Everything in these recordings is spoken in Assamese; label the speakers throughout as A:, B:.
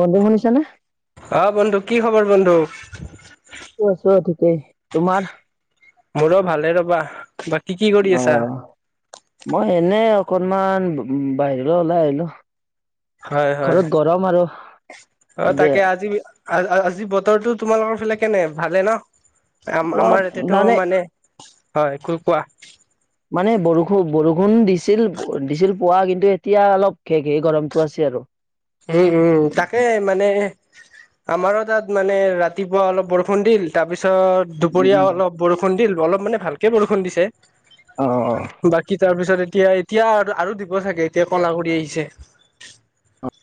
A: বন্ধু শুনিছানে?
B: অহ বন্ধু কি খবৰ বন্ধু।
A: কেহ, তোমাৰ?
B: মোৰো ভালে ৰবা বা কি কি কৰি আছা?
A: কনমান বাহিৰলৈ ওলাই আহিলো।
B: হয় হয়
A: ঘৰত গৰম আৰু।
B: অ
A: ইবে
B: তাকে আজি আজি বতৰটো তোমালোকৰ ফালে কেনে ভালে ন আ আমাৰ ইতেত মানে হয় খু কোৱা?
A: মানে বৰষুণ বৰষুণ দিছিল দিছিল পুৱা কিন্তু এতিয়া অলপ খেষে গৰমটো আছে আৰু।
B: উম উম, তাকে মানে আমাৰো তাত মানে ৰাতিপুৱা অলপ বৰষুণ দিল তাৰপিছত দুপৰীয়া
A: উম,
B: অলপ বৰষুণ দিল। অলপ মানে ভালকে বৰষুণ
A: অ',
B: দিছেবাকী তাৰপিছত, এতিয়া এতিয়া আৰু দিব চাগে এতিয়া কলা কৰি আহিছে।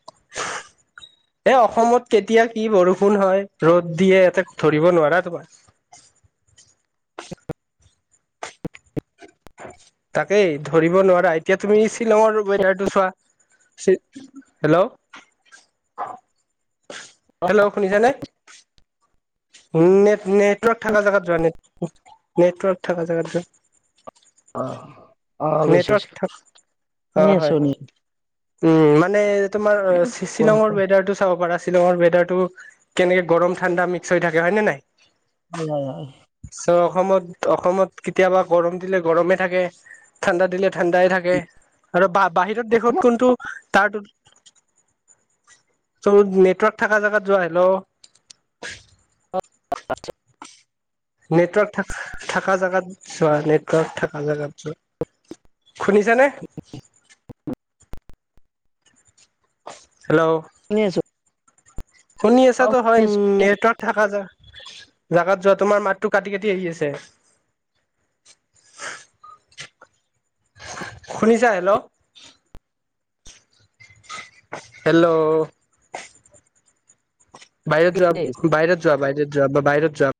A: [inaudible]
B: এ অসমত কেতিয়া কি বৰষুণ হয়, ৰ'দ দিয়ে এতে ধৰিব নোৱাৰা তোমাৰ।
A: [inaudible]
B: তাকেই ধৰিব নোৱাৰা, এতিয়া তুমি শ্বিলঙৰ ৱেডাৰটো চোৱা। হেল্ল'!
A: [inaudible]
B: হেল্ল' শুনিছা নে? নেট নেটৱৰ্ক থকা জেগাত যোৱা নে নেটৱৰ্ক থকা জোগাত যোৱা।
A: অ', অ', গৈছো
B: নেটৱৰ্ক
A: গৈছো
B: থ'
A: শুনি
B: অ',
A: আছো
B: হয়।
A: শুনি আছো।
B: উম, মানে তোমাৰ
A: কোৱা
B: শ্বিলঙৰ
A: কোৱা।
B: ৱেডাৰ টো চাব পাৰা। শ্বিলঙৰ ৱেডাৰটো কেনেকে গৰম ঠাণ্ডা মিক্স হৈ থাকে হয় নে নাই।
A: উম।
B: চ' অসমত, অসমত কেতিয়াবা গৰম দিলে গৰমে থাকে। ঠাণ্ডা দিলে, ঠাণ্ডাই থাকে আৰু বাহিৰত দেশত কোনটো তাৰো ত নেটৱৰ্ক থকা জোগাত যোৱা হিল
A: [inaudible]
B: নেটৱৰ্ক থা থকা জোগাত যোৱা নেটৱৰ্ক থকা জোগাত যোৱা। শুনিছে নে? হেল্ল'।
A: শুনি আছো
B: শুনি
A: অ'
B: আছাতো
A: শুনি
B: হয়
A: আছো
B: নেটৱৰ্ক থাকা যায় জোগাত য'ত তোমাৰ মাতটো কাটি, কাটি আহি আছে। শুনিছা হেল্ল'। হেল্ল'। বাহিৰত যোৱা,
A: দেই।
B: বাহিৰত যোৱা, বাহিৰত যোৱা, বা বাহিৰত যোৱা।